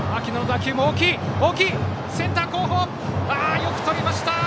センター、よくとりました。